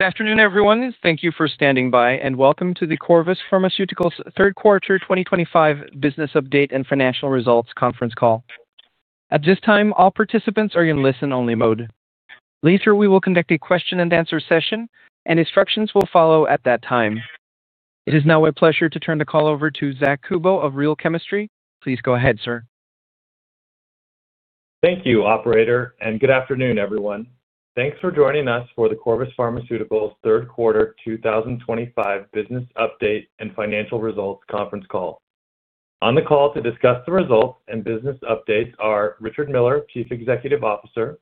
Good afternoon, everyone. Thank you for standing by, and welcome to the Corvus Pharmaceuticals Third Quarter 2025 Business Update and Financial Results Conference Call. At this time, all participants are in listen-only mode. Later, we will conduct a question-and-answer session, and instructions will follow at that time. It is now my pleasure to turn the call over to Zack Kubow of Real Chemistry. Please go ahead, sir. Thank you, Operator, and good afternoon, everyone. Thanks for joining us for the Corvus Pharmaceuticals Third Quarter 2025 Business Update and Financial Results Conference Call. On the call to discuss the results and business updates are Richard Miller, Chief Executive Officer,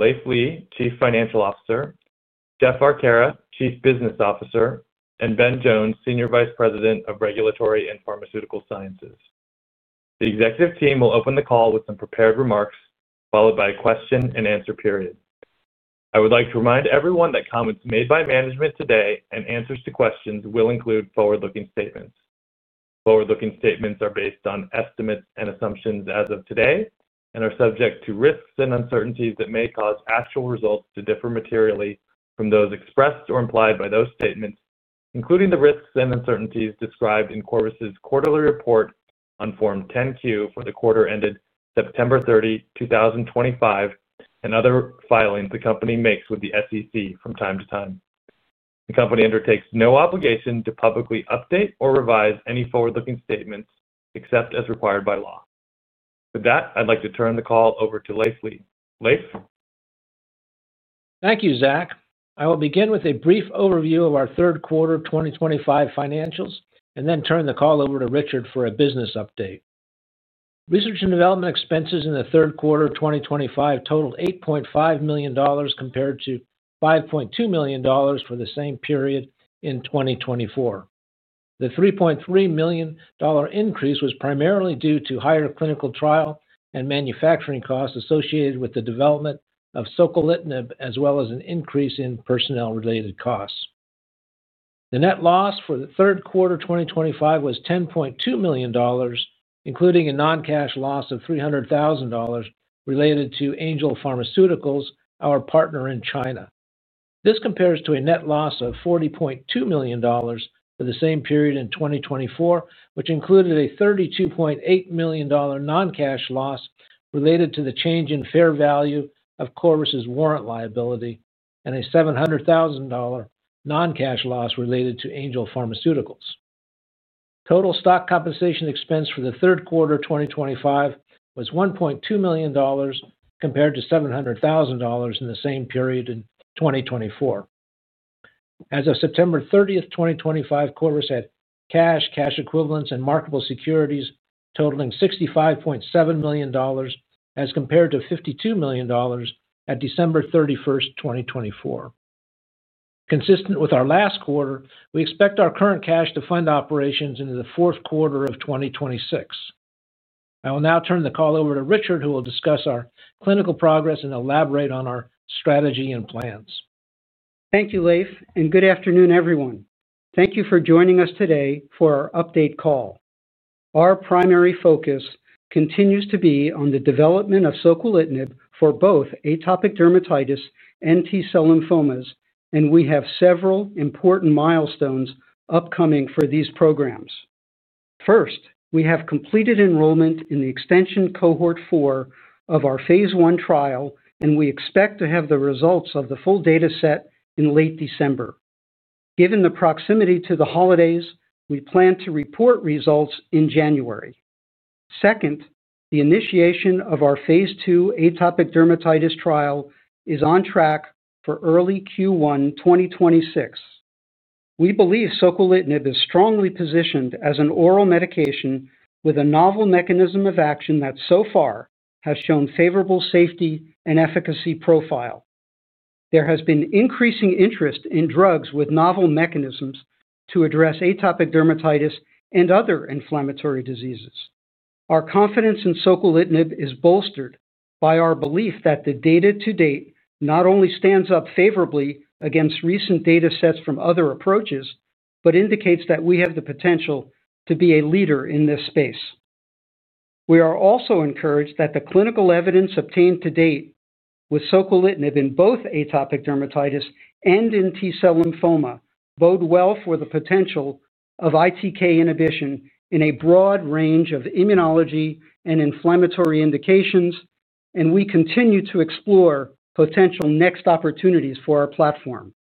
Leiv Lea, Chief Financial Officer, Jeff Arcara, Chief Business Officer, and Ben Jones, Senior Vice President of Regulatory and Pharmaceutical Sciences. The executive team will open the call with some prepared remarks, followed by a question-and-answer period. I would like to remind everyone that comments made by management today and answers to questions will include forward-looking statements. Forward-looking statements are based on estimates and assumptions as of today and are subject to risks and uncertainties that may cause actual results to differ materially from those expressed or implied by those statements, including the risks and uncertainties described in Corvus's quarterly report on Form 10Q for the quarter ended September 30, 2025, and other filings the company makes with the SEC from time to time. The company undertakes no obligation to publicly update or revise any forward-looking statements except as required by law. With that, I'd like to turn the call over to Leiv Lea. Leiv? Thank you, Zack. I will begin with a brief overview of our Third Quarter 2025 financials and then turn the call over to Richard for a business update. Research and development expenses in the Third Quarter 2025 totaled $8.5 million compared to $5.2 million for the same period in 2024. The $3.3 million increase was primarily due to higher clinical trial and manufacturing costs associated with the development of Soquelitinib, as well as an increase in personnel-related costs. The net loss for the Third Quarter 2025 was $10.2 million, including a non-cash loss of $300,000 related to Angel Pharmaceuticals, our partner in China. This compares to a net loss of $40.2 million for the same period in 2024, which included a $32.8 million non-cash loss related to the change in fair value of Corvus's warrant liability and a $700,000 non-cash loss related to Angel Pharmaceuticals. Total stock compensation expense for the Third Quarter 2025 was $1.2 million, compared to $700,000 in the same period in 2024. As of September 30, 2025, Corvus had cash, cash equivalents, and marketable securities totaling $65.7 million, as compared to $52 million at December 31, 2024. Consistent with our last quarter, we expect our current cash to fund operations into the Fourth Quarter of 2026. I will now turn the call over to Richard, who will discuss our clinical progress and elaborate on our strategy and plans. Thank you, Leiv, and good afternoon, everyone. Thank you for joining us today for our update call. Our primary focus continues to be on the development of Soquelitinib for both atopic dermatitis and T-cell lymphomas, and we have several important milestones upcoming for these programs. First, we have completed enrollment in the extension cohort 4 of our phase I trial, and we expect to have the results of the full dataset in late December. Given the proximity to the holidays, we plan to report results in January. Second, the initiation of our phase II atopic dermatitis trial is on track for early Q1 2026. We believe Soquelitinib is strongly positioned as an oral medication with a novel mechanism of action that so far has shown favorable safety and efficacy profile. There has been increasing interest in drugs with novel mechanisms to address atopic dermatitis and other inflammatory diseases. Our confidence in Soquelitinib is bolstered by our belief that the data to date not only stands up favorably against recent datasets from other approaches, but indicates that we have the potential to be a leader in this space. We are also encouraged that the clinical evidence obtained to date with Soquelitinib in both atopic dermatitis and in T-cell lymphoma bode well for the potential of ITK inhibition in a broad range of immunology and inflammatory indications, and we continue to explore potential next opportunities for our platform.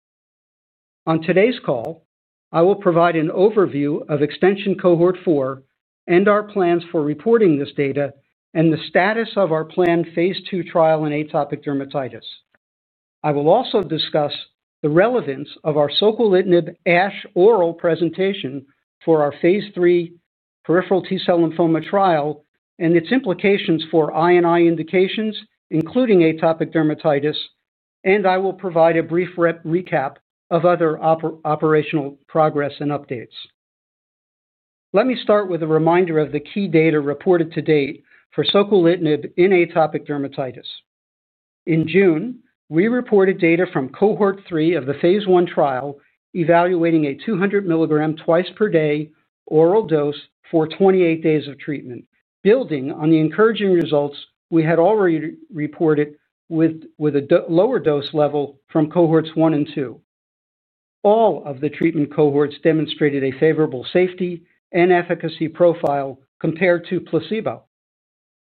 On today's call, I will provide an overview of extension cohort 4 and our plans for reporting this data and the status of our planned phase II trial in atopic dermatitis. I will also discuss the relevance of our Soquelitinib ASH oral presentation for our phase III peripheral T-cell lymphoma trial and its implications for immune/inflammatory indications, including atopic dermatitis, and I will provide a brief recap of other operational progress and updates. Let me start with a reminder of the key data reported to date for Soquelitinib in atopic dermatitis. In June, we reported data from cohort 3 of the phase I trial evaluating a 200 milligram twice per day oral dose for 28 days of treatment, building on the encouraging results we had already reported with a lower dose level from cohorts 1 and 2. All of the treatment cohorts demonstrated a favorable safety and efficacy profile compared to placebo.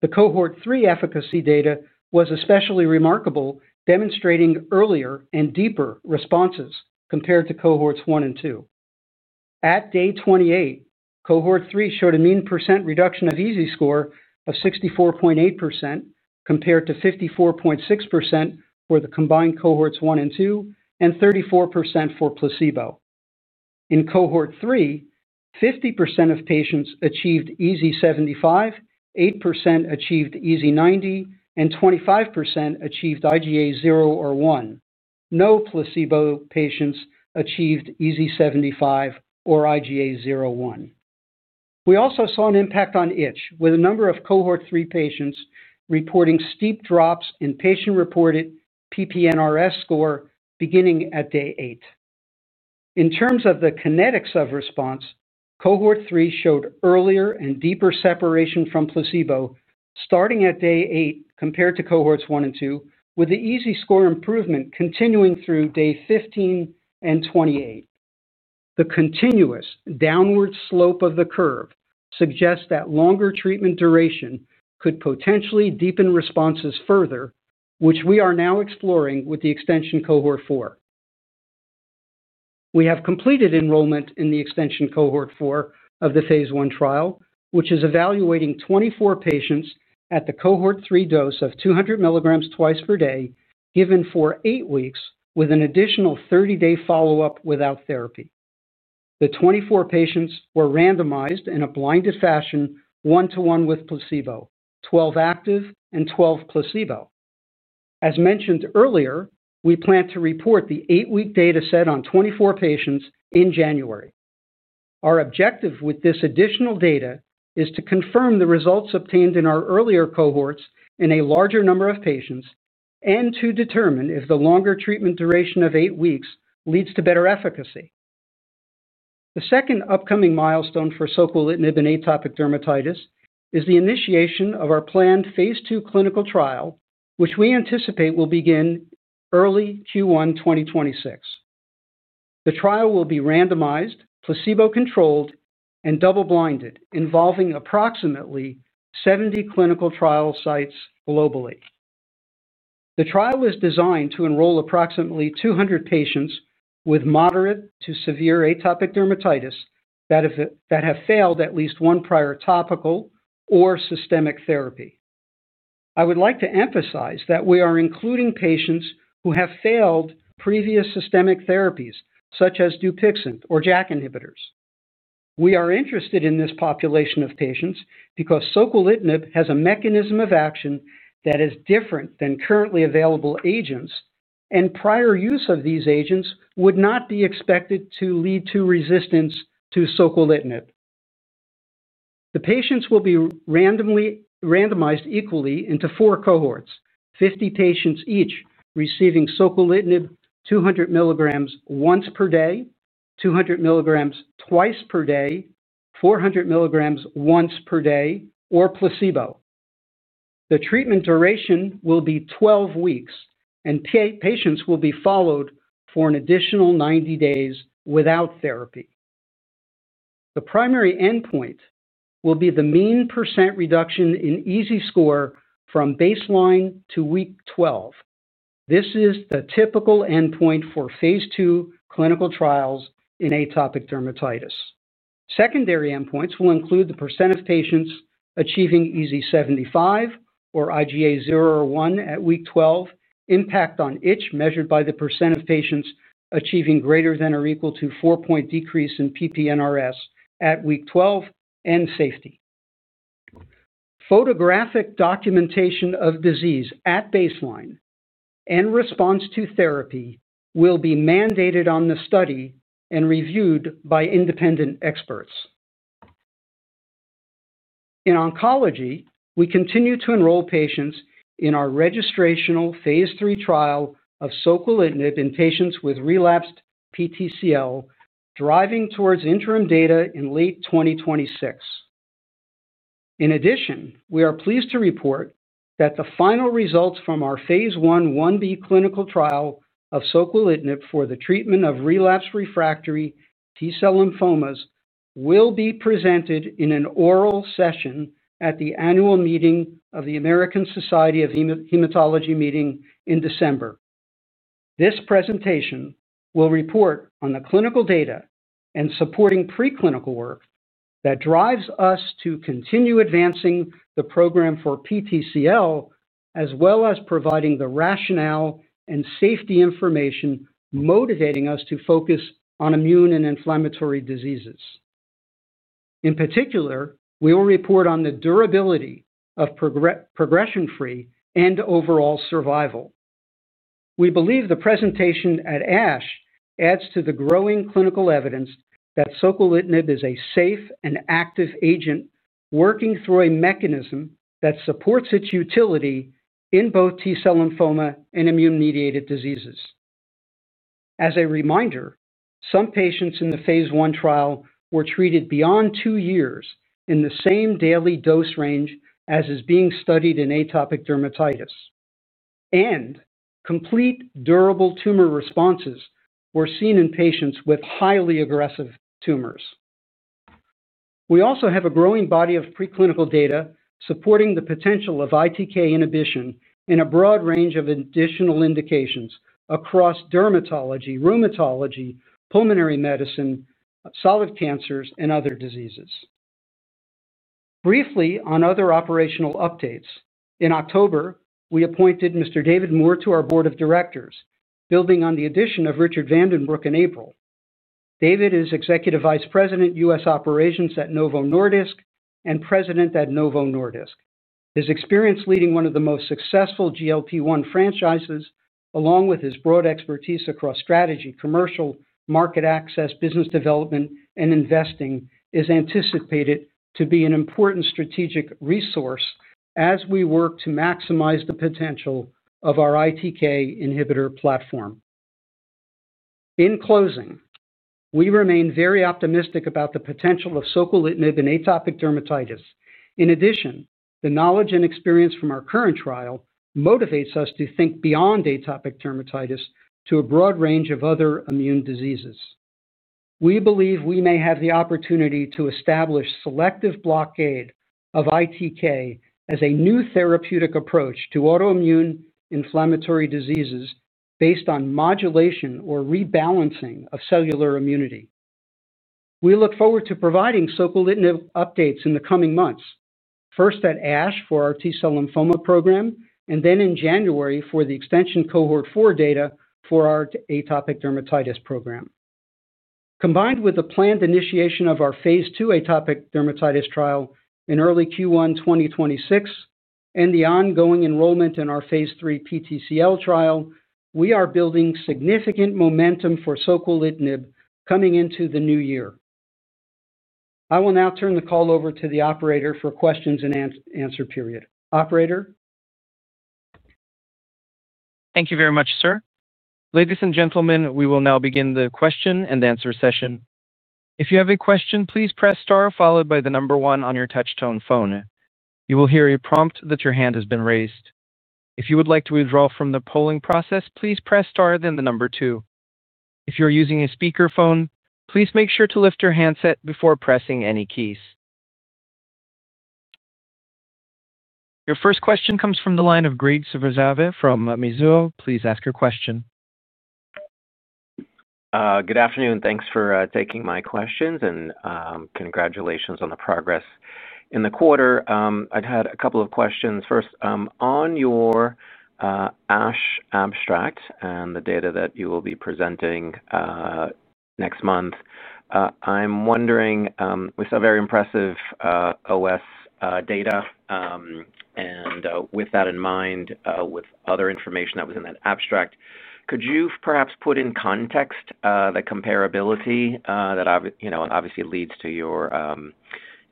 The cohort 3 efficacy data was especially remarkable, demonstrating earlier and deeper responses compared to cohorts 1 and 2. At day 28, cohort 3 showed a mean % reduction of EASI score of 64.8% compared to 54.6% for the combined cohorts 1 and 2 and 34% for placebo. In cohort 3, 50% of patients achieved EASI 75, 8% achieved EASI 90, and 25% achieved IGA 0 or 1. No placebo patients achieved EASI 75 or IGA 0 or 1. We also saw an impact on itch, with a number of cohort 3 patients reporting steep drops in patient-reported PP-NRS score beginning at day 8. In terms of the kinetics of response, Cohort 3 showed earlier and deeper separation from placebo starting at day 8 compared to Cohorts 1 and 2, with the EASI score improvement continuing through day 15 and 28. The continuous downward slope of the curve suggests that longer treatment duration could potentially deepen responses further, which we are now exploring with the Extension Cohort 4. We have completed enrollment in the Extension Cohort 4 of the phase I trial, which is evaluating 24 patients at the Cohort 3 dose of 200 milligrams twice per day given for 8 weeks with an additional 30-day follow-up without therapy. The 24 patients were randomized in a blinded fashion one-to-one with placebo, 12 active and 12 placebo. As mentioned earlier, we plan to report the 8-week dataset on 24 patients in January. Our objective with this additional data is to confirm the results obtained in our earlier cohorts in a larger number of patients and to determine if the longer treatment duration of 8 weeks leads to better efficacy. The second upcoming milestone for Soquelitinib in atopic dermatitis is the initiation of our planned phase II clinical trial, which we anticipate will begin early Q1 2026. The trial will be randomized, placebo-controlled, and double-blinded, involving approximately 70 clinical trial sites globally. The trial is designed to enroll approximately 200 patients with moderate to severe atopic dermatitis that have failed at least one prior topical or systemic therapy. I would like to emphasize that we are including patients who have failed previous systemic therapies, such as Dupixent or JAK inhibitors. We are interested in this population of patients because Soquelitinib has a mechanism of action that is different than currently available agents, and prior use of these agents would not be expected to lead to resistance to Soquelitinib. The patients will be randomized equally into four cohorts, 50 patients each receiving Soquelitinib 200 milligrams once per day, 200 milligrams twice per day, 400 milligrams once per day, or placebo. The treatment duration will be 12 weeks, and patients will be followed for an additional 90 days without therapy. The primary endpoint will be the mean percent reduction in EASI score from baseline to week 12. This is the typical endpoint for phase II clinical trials in atopic dermatitis. Secondary endpoints will include the % of patients achieving EASI 75 or IGA 0 or 1 at week 12, impact on itch measured by the % of patients achieving greater than or equal to 4-point decrease in PP-NRS at week 12, and safety. Photographic documentation of disease at baseline and response to therapy will be mandated on the study and reviewed by independent experts. In oncology, we continue to enroll patients in our registrational phase III trial of Soquelitinib in patients with relapsed PTCL, driving towards interim data in late 2026. In addition, we are pleased to report that the final results from our phase I-b clinical trial of Soquelitinib for the treatment of relapsed refractory T-cell lymphomas will be presented in an oral session at the annual meeting of the American Society of Hematology in December. This presentation will report on the clinical data and supporting preclinical work that drives us to continue advancing the program for PTCL, as well as providing the rationale and safety information motivating us to focus on immune and inflammatory diseases. In particular, we will report on the durability of progression-free and overall survival. We believe the presentation at ASH adds to the growing clinical evidence that Soquelitinib is a safe and active agent working through a mechanism that supports its utility in both T-cell lymphoma and immune-mediated diseases. As a reminder, some patients in the phase 1 trial were treated beyond two years in the same daily dose range as is being studied in atopic dermatitis. And complete durable tumor responses were seen in patients with highly aggressive tumors. We also have a growing body of preclinical data supporting the potential of ITK inhibition in a broad range of additional indications across dermatology, rheumatology, pulmonary medicine, solid cancers, and other diseases. Briefly on other operational updates, in October, we appointed Mr. David Moore to our board of directors, building on the addition of Richard van den Broek in April. David is Executive Vice President US Operations at Novo Nordisk and President at Novo Nordisk. His experience leading one of the most successful GLP-1 franchises, along with his broad expertise across strategy, commercial, market access, business development, and investing, is anticipated to be an important strategic resource as we work to maximize the potential of our ITK inhibitor platform. In closing, we remain very optimistic about the potential of Soquelitinib in atopic dermatitis. In addition, the knowledge and experience from our current trial motivates us to think beyond atopic dermatitis to a broad range of other immune diseases. We believe we may have the opportunity to establish selective blockade of ITK as a new therapeutic approach to autoimmune inflammatory diseases based on modulation or rebalancing of cellular immunity. We look forward to providing Soquelitinib updates in the coming months, first at ASH for our T-cell lymphoma program and then in January for the Extension Cohort 4 data for our atopic dermatitis program. Combined with the planned initiation of our phase 2 atopic dermatitis trial in early Q1 2026 and the ongoing enrollment in our phase 3 PTCL trial, we are building significant momentum for Soquelitinib coming into the new year. I will now turn the call over to the operator for questions and answer period. Operator. Thank you very much, sir. Ladies and gentlemen, we will now begin the question and answer session. If you have a question, please press star followed by the number one on your touch-tone phone. You will hear a prompt that your hand has been raised. If you would like to withdraw from the polling process, please press star then the number two. If you're using a speakerphone, please make sure to lift your handset before pressing any keys. Your first question comes from the line of Graig Suvannavejh from Mizuho. Please ask your question. Good afternoon. Thanks for taking my questions and congratulations on the progress in the quarter. I've had a couple of questions. First, on your ASH abstract and the data that you will be presenting next month. I'm wondering, we saw very impressive OS data. And with that in mind, with other information that was in that abstract, could you perhaps put in context the comparability that obviously leads to your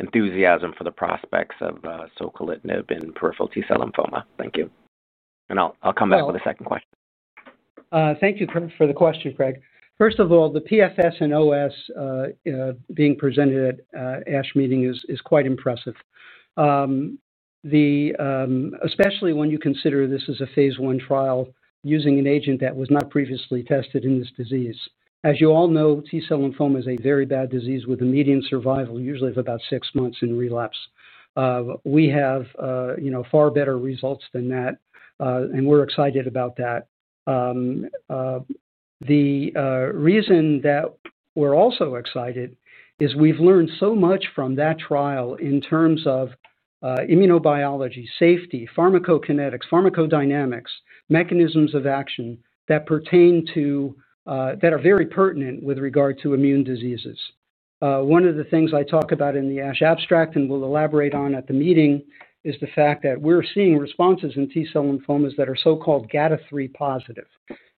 enthusiasm for the prospects of Soquelitinib in peripheral T-cell lymphoma? Thank you. And I'll come back with a second question. Thank you for the question, Graig. First of all, the PFS and OS being presented at ASH meeting is quite impressive. Especially when you consider this is a phase I trial using an agent that was not previously tested in this disease. As you all know, T-cell lymphoma is a very bad disease with a median survival usually of about six months in relapse. We have far better results than that, and we're excited about that. The reason that we're also excited is we've learned so much from that trial in terms of immunobiology, safety, pharmacokinetics, pharmacodynamics, mechanisms of action that pertain to that are very pertinent with regard to immune diseases. One of the things I talk about in the ASH abstract and will elaborate on at the meeting is the fact that we're seeing responses in T-cell lymphomas that are so-called GATA3 positive.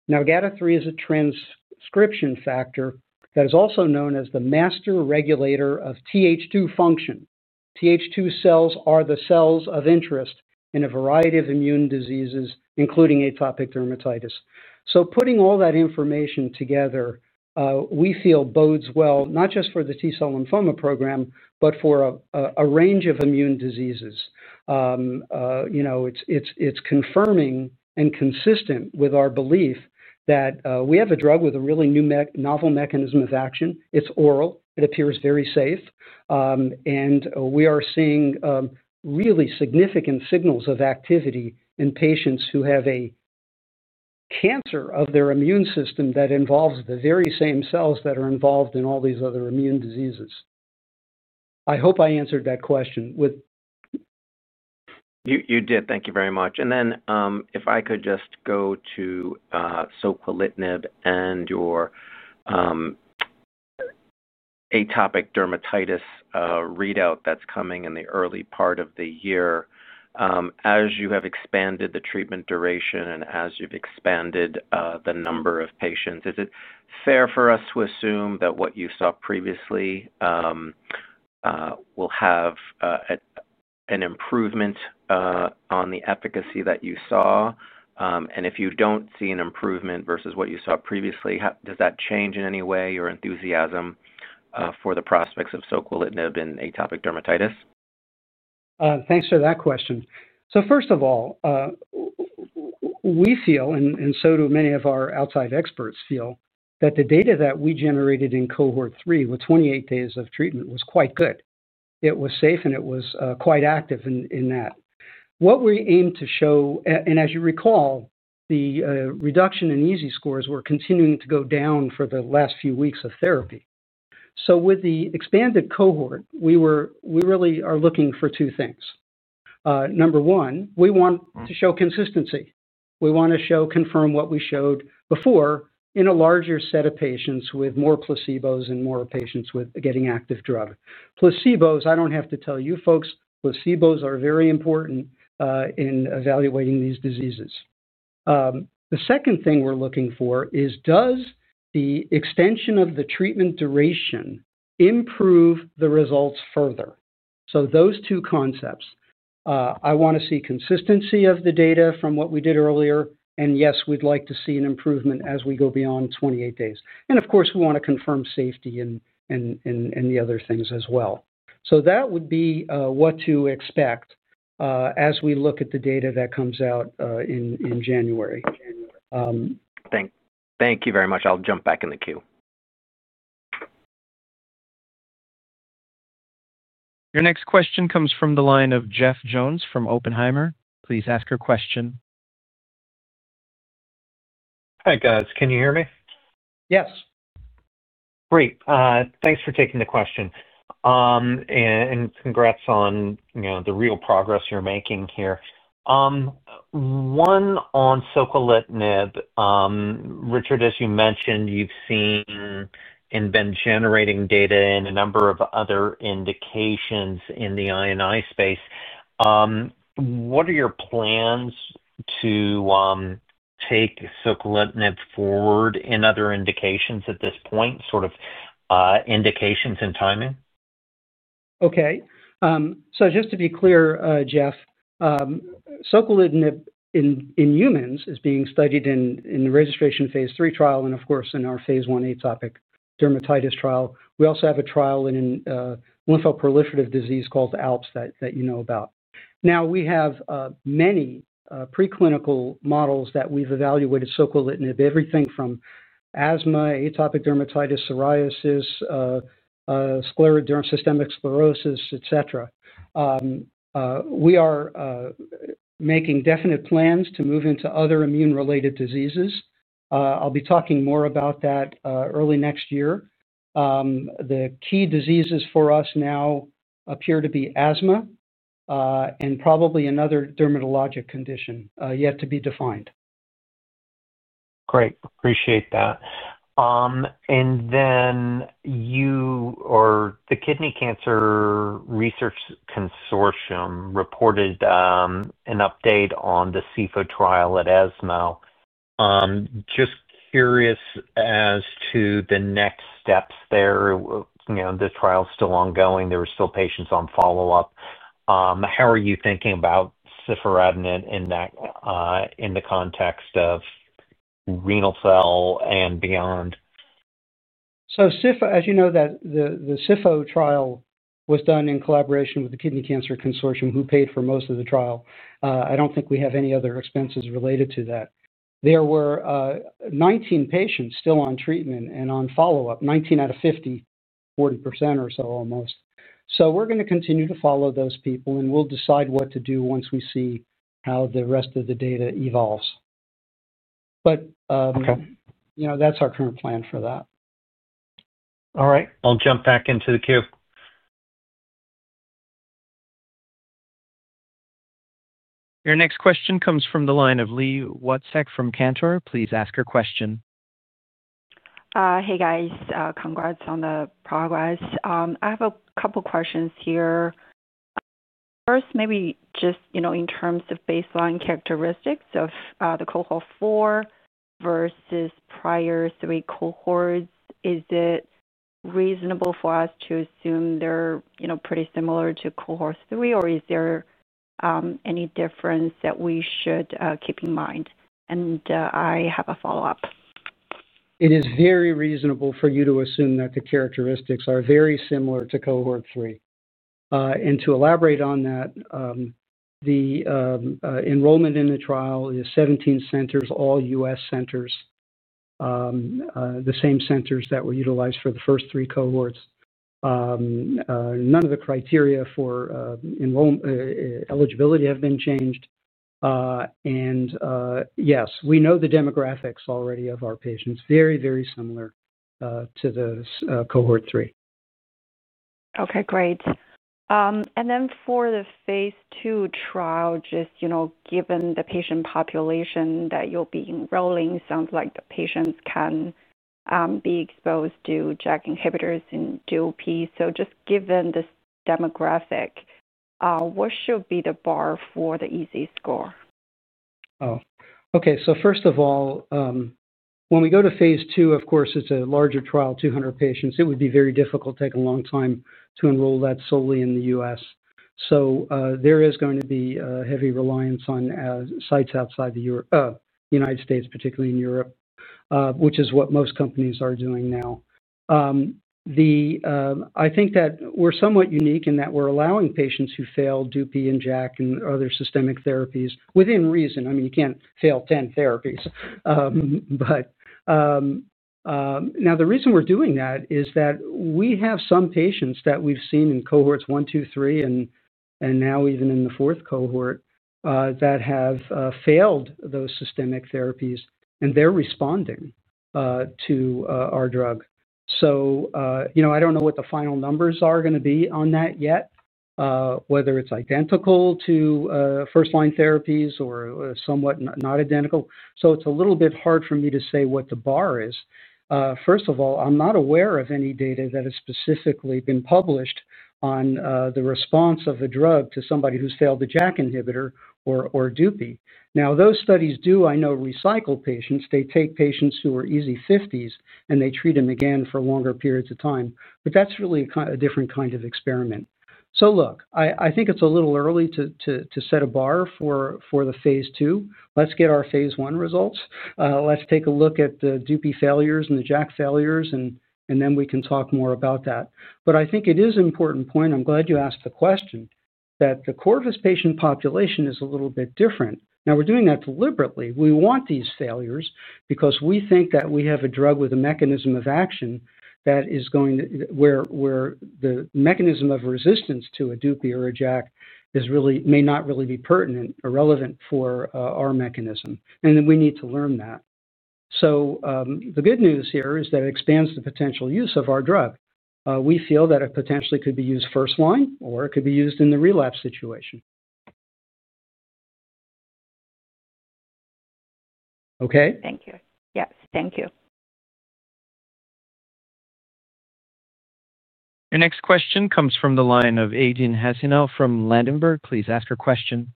Now, GATA3 is a transcription factor that is also known as the master regulator of Th2 function. Th2 cells are the cells of interest in a variety of immune diseases, including atopic dermatitis. So putting all that information together, we feel bodes well, not just for the T-cell lymphoma program, but for a range of immune diseases. It's confirming and consistent with our belief that we have a drug with a really novel mechanism of action. It's oral. It appears very safe. And we are seeing really significant signals of activity in patients who have a cancer of their immune system that involves the very same cells that are involved in all these other immune diseases. I hope I answered that question. You did. Thank you very much. And then if I could just go to Soquelitinib and your atopic dermatitis readout that's coming in the early part of the year. As you have expanded the treatment duration and as you've expanded the number of patients, is it fair for us to assume that what you saw previously will have an improvement on the efficacy that you saw? And if you don't see an improvement versus what you saw previously, does that change in any way your enthusiasm for the prospects of Soquelitinib in atopic dermatitis? Thanks for that question. So, first of all, we feel, and so do many of our outside experts feel, that the data that we generated in Cohort 3 with 28 days of treatment was quite good. It was safe, and it was quite active in that. What we aim to show, and as you recall, the reduction in EASI scores were continuing to go down for the last few weeks of therapy. So with the expanded cohort, we really are looking for two things. Number one, we want to show consistency. We want to show, confirm what we showed before in a larger set of patients with more placebos and more patients with getting active drug. Placebos, I don't have to tell you folks, placebos are very important in evaluating these diseases. The second thing we're looking for is, does the extension of the treatment duration improve the results further? So those two concepts, I want to see consistency of the data from what we did earlier. And yes, we'd like to see an improvement as we go beyond 28 days. And of course, we want to confirm safety and the other things as well. So that would be what to expect as we look at the data that comes out in January. Thank you very much. I'll jump back in the queue. Your next question comes from the line of Jeff Jones from Oppenheimer. Please ask your question. Hey, guys. Can you hear me? Yes. Great. Thanks for taking the question. And congrats on the real progress you're making here. One on Soquelitinib. Richard, as you mentioned, you've seen and been generating data and a number of other indications in the INI space. What are your plans to take Soquelitinib forward in other indications at this point, sort of indications and timing? Okay. So just to be clear, Jeff. Soquelitinib in humans is being studied in the registration phase III trial and, of course, in our phase I atopic dermatitis trial. We also have a trial in lymphoproliferative disease called ALPS that you know about. Now, we have many preclinical models that we've evaluated Soquelitinib, everything from asthma, atopic dermatitis, psoriasis, scleroderma, systemic sclerosis, etc. We are making definite plans to move into other immune-related diseases. I'll be talking more about that early next year. The key diseases for us now appear to be asthma and probably another dermatologic condition yet to be defined. Great. Appreciate that. And then the Kidney Cancer Research Consortium reported an update on the ciforadenant trial at ASH. Just curious as to the next steps there. The trial is still ongoing. There are still patients on follow-up. How are you thinking about ciforadenant in the context of renal cell and beyond? So Ciforadenant, as you know, the Ciforadenant trial was done in collaboration with the Kidney Cancer Research Consortium, who paid for most of the trial. I don't think we have any other expenses related to that. There were 19 patients still on treatment and on follow-up, 19 out of 50, 40% or so almost. So we're going to continue to follow those people, and we'll decide what to do once we see how the rest of the data evolves. But that's our current plan for that. All right. I'll jump back into the queue. Your next question comes from the line of Li Watsek from Cantor. Please ask your question. Hey, guys. Congrats on the progress. I have a couple of questions here. First, maybe just in terms of baseline characteristics of the cohort 4 versus prior three cohorts, is it reasonable for us to assume they're pretty similar to cohort 3, or is there any difference that we should keep in mind? And I have a follow-up. It is very reasonable for you to assume that the characteristics are very similar to cohort 3. And to elaborate on that. The enrollment in the trial is 17 centers, all US centers. The same centers that were utilized for the first three cohorts. None of the criteria for eligibility have been changed. And yes, we know the demographics already of our patients. Very, very similar to the cohort 3. Okay. Great. And then for the phase 2 trial, just given the patient population that you'll be enrolling, it sounds like the patients can be exposed to JAK inhibitors and DOP. So just given this demographic. What should be the bar for the EASI score? Oh. Okay. So first of all. When we go to phase 2, of course, it's a larger trial, 200 patients. It would be very difficult, take a long time to enroll that solely in the US. So there is going to be heavy reliance on sites outside the United States, particularly in Europe, which is what most companies are doing now. I think that we're somewhat unique in that we're allowing patients who fail DOP and JAK and other systemic therapies within reason. I mean, you can't fail 10 therapies. But. Now, the reason we're doing that is that we have some patients that we've seen in cohorts 1, 2, 3, and now even in the fourth cohort that have failed those systemic therapies, and they're responding to our drug. So. I don't know what the final numbers are going to be on that yet. Whether it's identical to first-line therapies or somewhat not identical. So it's a little bit hard for me to say what the bar is. First of all, I'm not aware of any data that has specifically been published on the response of a drug to somebody who's failed a JAK inhibitor or DOP. Now, those studies do, I know, recycle patients. They take patients who are EASI 50s, and they treat them again for longer periods of time. But that's really a different kind of experiment. So look, I think it's a little early to set a bar for the phase II. Let's get our phase I results. Let's take a look at the Dupixent failures and the JAK failures, and then we can talk more about that. But I think it is an important point. I'm glad you asked the question that the Corvus patient population is a little bit different. Now, we're doing that deliberately. We want these failures because we think that we have a drug with a mechanism of action that is going to where the mechanism of resistance to a Dupixent or a JAK may not really be pertinent or relevant for our mechanism. And then we need to learn that. So the good news here is that it expands the potential use of our drug. We feel that it potentially could be used first-line, or it could be used in the relapse situation. Okay? Thank you. Yes. Thank you. Your next question comes from the line of Aydin Huseynov from Ladenburg Thalmann. Please ask your question.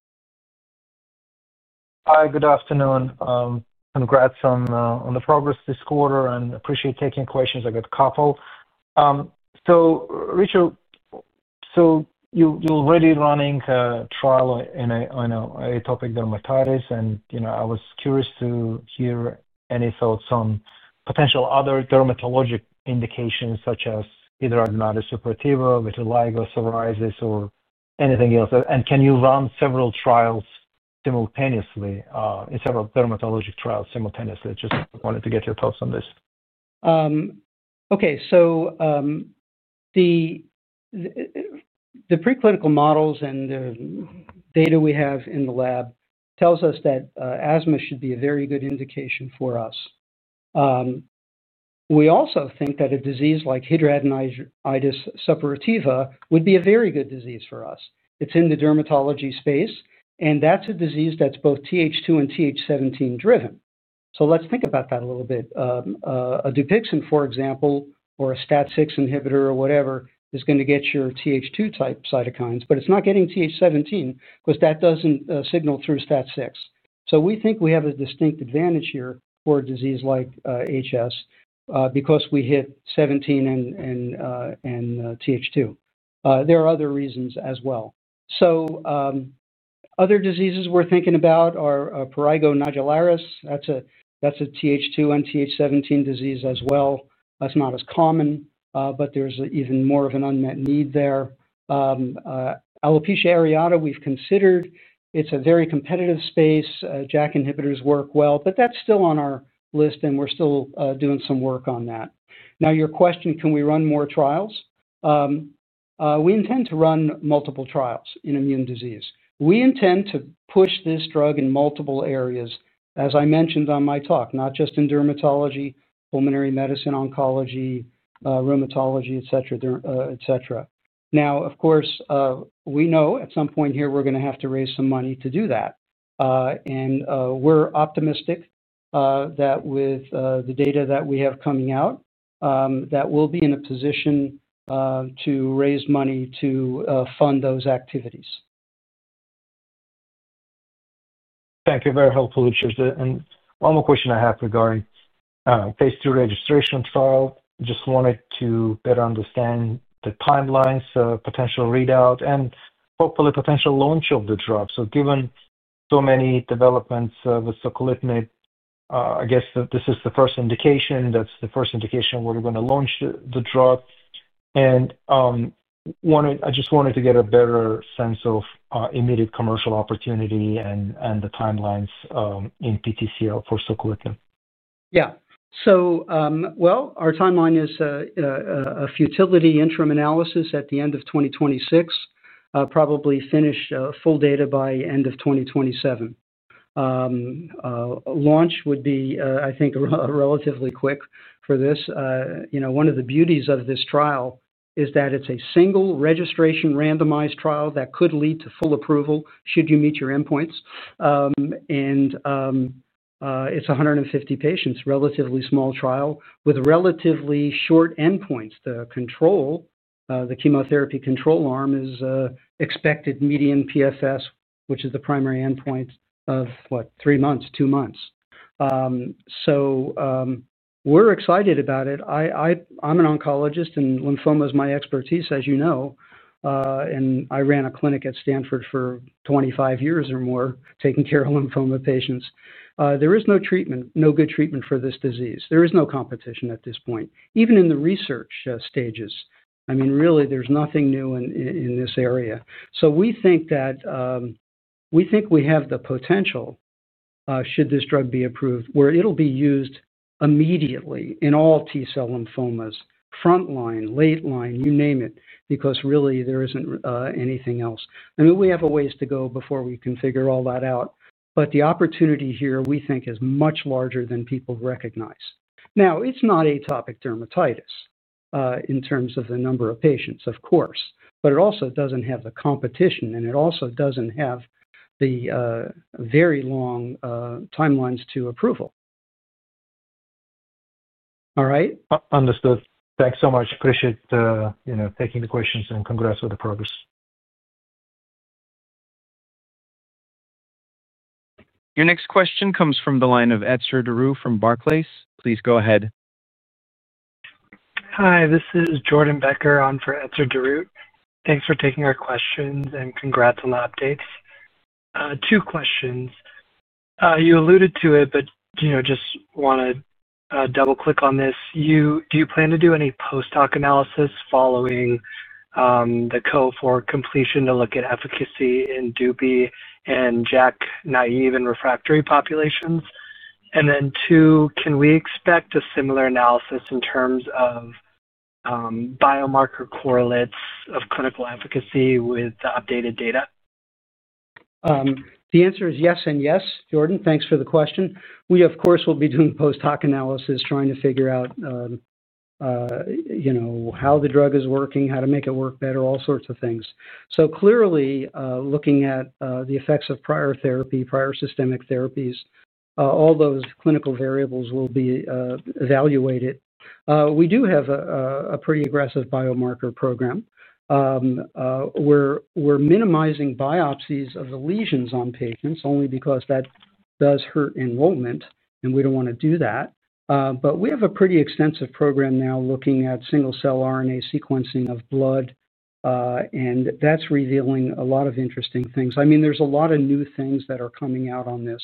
Hi. Good afternoon. Congrats on the progress this quarter. And appreciate taking questions. I got a couple. So Richard. You're already running a trial in atopic dermatitis, and I was curious to hear any thoughts on potential other dermatologic indications such as either hidradenitis suppurativa, vitiligo, psoriasis, or anything else. And can you run several trials simultaneously, several dermatologic trials simultaneously? Just wanted to get your thoughts on this. Okay. So, the preclinical models and the data we have in the lab tells us that asthma should be a very good indication for us. We also think that a disease like hidradenitis suppurativa would be a very good disease for us. It's in the dermatology space, and that's a disease that's both Th2 and Th17-driven. So let's think about that a little bit. A Dupixent, for example, or a STAT6 inhibitor or whatever is going to get your Th2-type cytokines, but it's not getting TH17 because that doesn't signal through STAT6. So we think we have a distinct advantage here for a disease like HS because we hit TH17 and Th2. There are other reasons as well. So, other diseases we're thinking about are prurigo nodularis. That's a Th2 and TH17 disease as well. That's not as common, but there's even more of an unmet need there. Alopecia areata, we've considered. It's a very competitive space. JAK inhibitors work well, but that's still on our list, and we're still doing some work on that. Now, your question, can we run more trials? We intend to run multiple trials in immune disease. We intend to push this drug in multiple areas, as I mentioned on my talk, not just in dermatology, pulmonary medicine, oncology, rheumatology, etc. Now, of course, we know at some point here, we're going to have to raise some money to do that. And we're optimistic that with the data that we have coming out. That we'll be in a position to raise money to fund those activities. Thank you. Very helpful, Richard. And one more question I have regarding phase 2 registration trial. Just wanted to better understand the timelines, potential readout, and hopefully potential launch of the drug. So given so many developments with Soquelitinib, I guess this is the first indication. That's the first indication we're going to launch the drug. And I just wanted to get a better sense of immediate commercial opportunity and the timelines in PTCL for Soquelitinib. Yeah. So, well, our timeline is a futility interim analysis at the end of 2026. Probably finish full data by end of 2027. Launch would be, I think, relatively quick for this. One of the beauties of this trial is that it's a single registration randomized trial that could lead to full approval should you meet your endpoints. And it's 150 patients, relatively small trial with relatively short endpoints. The chemotherapy control arm is expected median PFS, which is the primary endpoint of, what, three months, two months. So we're excited about it. I'm an oncologist, and lymphoma is my expertise, as you know. And I ran a clinic at Stanford for 25 years or more taking care of lymphoma patients. There is no treatment, no good treatment for this disease. There is no competition at this point, even in the research stages. I mean, really, there's nothing new in this area. So we think that we think we have the potential. Should this drug be approved, where it'll be used immediately in all T-cell lymphomas, front-line, late-line, you name it, because really, there isn't anything else. I mean, we have a ways to go before we can figure all that out. But the opportunity here, we think, is much larger than people recognize. Now, it's not atopic dermatitis. In terms of the number of patients, of course, but it also doesn't have the competition, and it also doesn't have the very long timelines to approval. All right? Understood. Thanks so much. Appreciate taking the questions, and congrats with the progress. Your next question comes from the line of Etzer Darout from Barclays. Please go ahead. Hi. This is Jordan Becker on for Etzer Darout. Thanks for taking our questions and congrats on the updates. Two questions. You alluded to it, but just want to double-click on this. Do you plan to do any post hoc analysis following the cohort completion to look at efficacy in Dupixent and JAK naive and refractory populations? And then two, can we expect a similar analysis in terms of biomarker correlates of clinical efficacy with updated data? The answer is yes and yes, Jordan. Thanks for the question. We, of course, will be doing post hoc analysis trying to figure out. How the drug is working, how to make it work better, all sorts of things. So clearly, looking at the effects of prior therapy, prior systemic therapies, all those clinical variables will be evaluated. We do have a pretty aggressive biomarker program. We're minimizing biopsies of the lesions on patients only because that does hurt enrollment, and we don't want to do that. But we have a pretty extensive program now looking at single-cell RNA sequencing of blood. And that's revealing a lot of interesting things. I mean, there's a lot of new things that are coming out on this.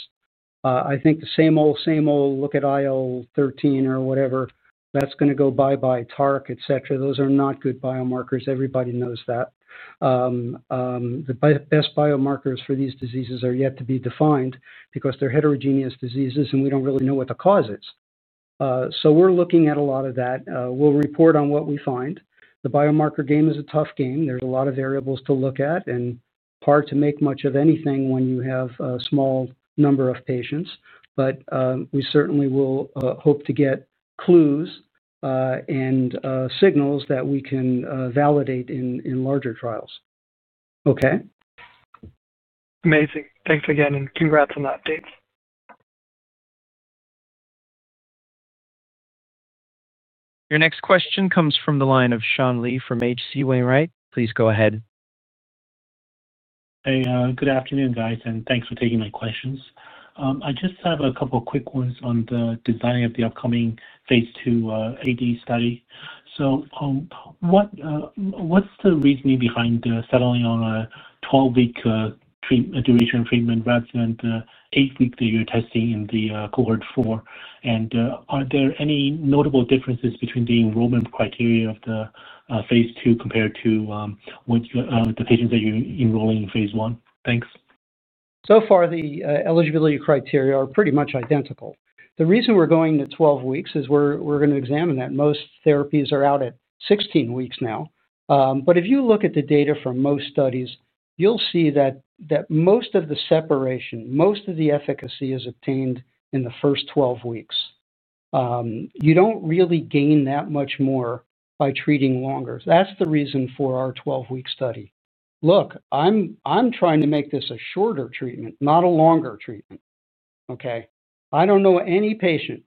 I think the same old, same old, look at IL-13 or whatever. That's going to go bye-bye, TARC, etc. Those are not good biomarkers. Everybody knows that. The best biomarkers for these diseases are yet to be defined because they're heterogeneous diseases, and we don't really know what the cause is. So we're looking at a lot of that. We'll report on what we find. The biomarker game is a tough game. There's a lot of variables to look at and hard to make much of anything when you have a small number of patients. But we certainly will hope to get clues. And signals that we can validate in larger trials. Okay? Amazing. Thanks again, and congrats on the updates. Your next question comes from the line of Sean Lee from H.C. Wainwright. Please go ahead. Hey. Good afternoon, guys, and thanks for taking my questions. I just have a couple of quick ones on the design of the upcoming phase II AD study. So. What's the reasoning behind settling on a 12-week duration of treatment rather than the 8-week that you're testing in the Cohort 4? And are there any notable differences between the enrollment criteria of the phase II compared to. The patients that you're enrolling in phase I? Thanks. So far, the eligibility criteria are pretty much identical. The reason we're going to 12 weeks is we're going to examine that. Most therapies are out at 16 weeks now. But if you look at the data from most studies, you'll see that most of the separation, most of the efficacy is obtained in the first 12 weeks. You don't really gain that much more by treating longer. That's the reason for our 12-week study. Look, I'm trying to make this a shorter treatment, not a longer treatment. Okay? I don't know any patient.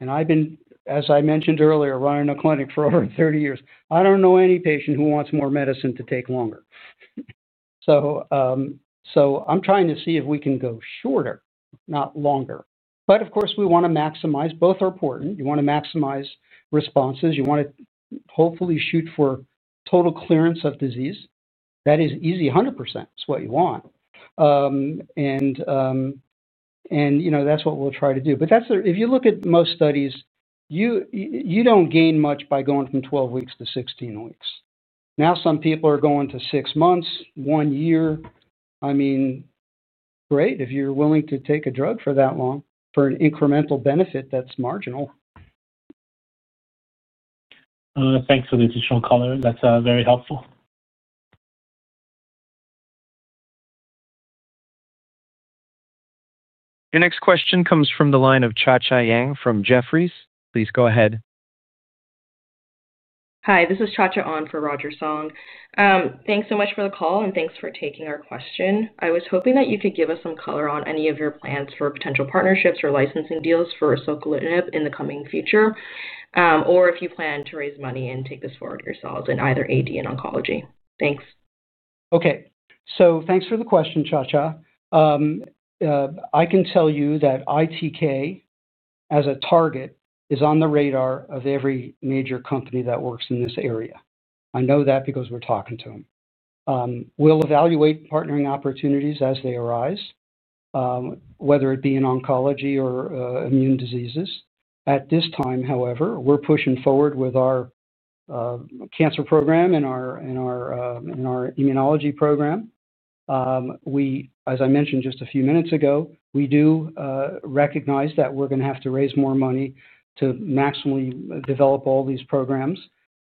And I've been, as I mentioned earlier, running a clinic for over 30 years. I don't know any patient who wants more medicine to take longer. So. I'm trying to see if we can go shorter, not longer. But of course, we want to maximize both are important. You want to maximize responses. You want to hopefully shoot for total clearance of disease. That is easy. 100% is what you want. And. That's what we'll try to do. But if you look at most studies. You don't gain much by going from 12 weeks to 16 weeks. Now, some people are going to 6 months, 1 year. I mean. Great. If you're willing to take a drug for that long for an incremental benefit, that's marginal. Thanks for the additional color. That's very helpful. Your next question comes from the line of Cha Cha Yang from Jefferies. Please go ahead. Hi. This is Cha Cha Yang for Roger Song. Thanks so much for the call, and thanks for taking our question. I was hoping that you could give us some color on any of your plans for potential partnerships or licensing deals for Soquelitinib in the coming future or if you plan to raise money and take this forward yourselves in either AD and oncology. Thanks. Okay. So thanks for the question, Cha Cha. I can tell you that ITK, as a target, is on the radar of every major company that works in this area. I know that because we're talking to them. We'll evaluate partnering opportunities as they arise. Whether it be in oncology or immune diseases. At this time, however, we're pushing forward with our cancer program and our immunology program. As I mentioned just a few minutes ago, we do recognize that we're going to have to raise more money to maximally develop all these programs.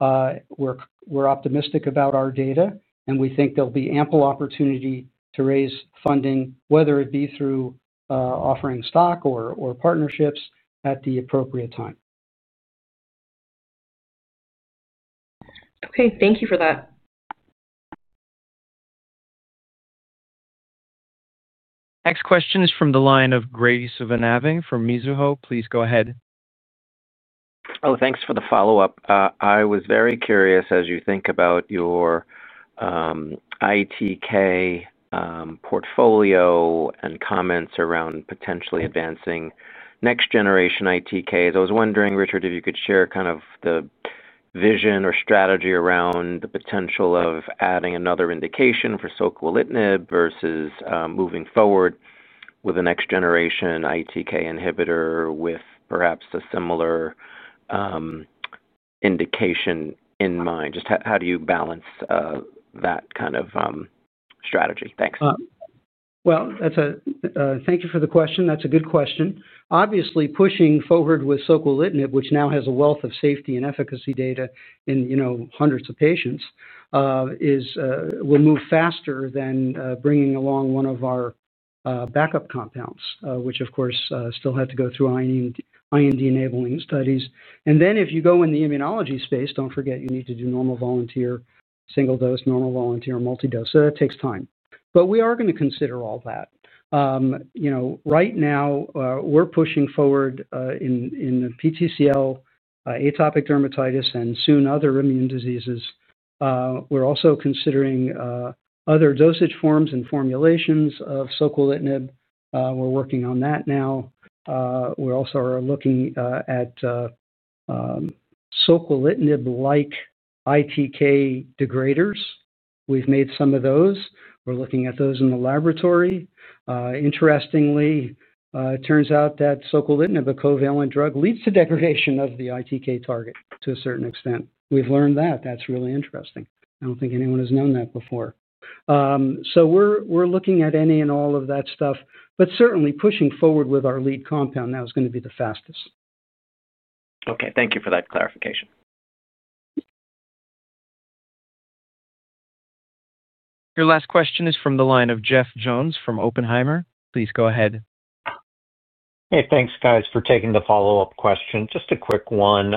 We're optimistic about our data, and we think there'll be ample opportunity to raise funding, whether it be through offering stock or partnerships at the appropriate time. Okay. Thank you for that. Next question is from the line of Graig Suvannavejh from Mizuho. Please go ahead. Oh, thanks for the follow-up. I was very curious, as you think about your ITK portfolio and comments around potentially advancing next-generation ITKs. I was wondering, Richard, if you could share kind of the vision or strategy around the potential of adding another indication for Soquelitinib versus moving forward with a next-generation ITK inhibitor with perhaps a similar indication in mind. Just how do you balance that kind of strategy? Thanks. Well. Thank you for the question. That's a good question. Obviously, pushing forward with Soquelitinib, which now has a wealth of safety and efficacy data in hundreds of patients. Will move faster than bringing along one of our backup compounds, which, of course, still have to go through IND enabling studies. And then if you go in the immunology space, don't forget you need to do normal volunteer, single-dose, normal volunteer, multi-dose. So that takes time. But we are going to consider all that. Right now, we're pushing forward in PTCL, atopic dermatitis, and soon other immune diseases. We're also considering other dosage forms and formulations of Soquelitinib. We're working on that now. We also are looking at Soquelitinib-like ITK degraders. We've made some of those. We're looking at those in the laboratory. Interestingly, it turns out that Soquelitinib, a covalent drug, leads to degradation of the ITK target to a certain extent. We've learned that. That's really interesting. I don't think anyone has known that before. So we're looking at any and all of that stuff, but certainly pushing forward with our lead compound now is going to be the fastest. Okay. Thank you for that clarification. Your last question is from the line of Jeff Jones from Oppenheimer. Please go ahead. Hey. Thanks, guys, for taking the follow-up question. Just a quick one.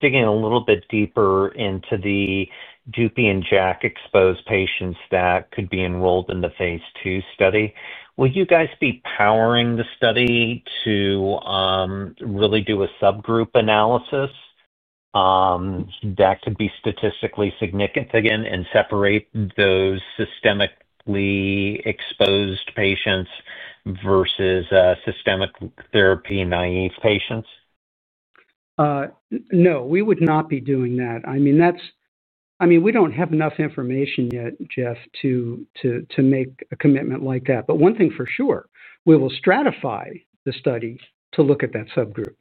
Digging a little bit deeper into the Dupixent and JAK-exposed patients that could be enrolled in the phase 2 study. Will you guys be powering the study to really do a subgroup analysis that could be statistically significant again and separate those systemically exposed patients versus systemic therapy naive patients? No. We would not be doing that. I mean. We don't have enough information yet, Jeff, to make a commitment like that. But one thing for sure, we will stratify the study to look at that subgroup.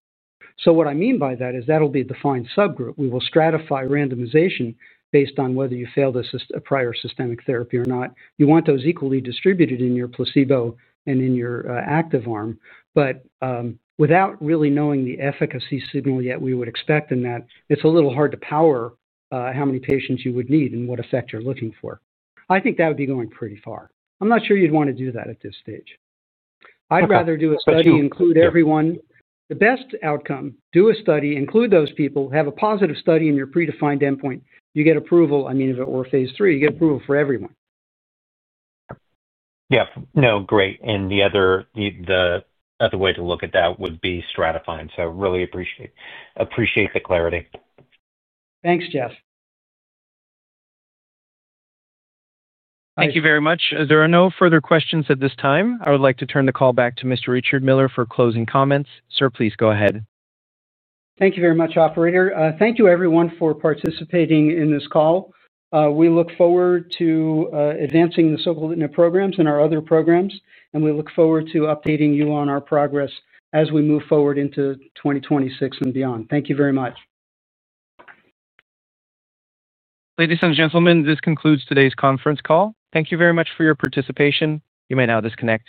So what I mean by that is that'll be the fine subgroup. We will stratify randomization based on whether you failed a prior systemic therapy or not. You want those equally distributed in your placebo and in your active arm. But without really knowing the efficacy signal yet we would expect in that, it's a little hard to power how many patients you would need and what effect you're looking for. I think that would be going pretty far. I'm not sure you'd want to do that at this stage. I'd rather do a study, include everyone. The best outcome, do a study, include those people, have a positive study in your predefined endpoint. You get approval. I mean, or phase 3, you get approval for everyone. Yeah. No. Great. And the other way to look at that would be stratifying. So really appreciate the clarity. Thanks, Jeff. Thank you very much. There are no further questions at this time. I would like to turn the call back to Mr. Richard Miller for closing comments. Sir, please go ahead. Thank you very much, operator. Thank you, everyone, for participating in this call. We look forward to advancing the Soquelitinib programs and our other programs, and we look forward to updating you on our progress as we move forward into 2026 and beyond. Thank you very much. Ladies and gentlemen, this concludes today's conference call. Thank you very much for your participation. You may now disconnect.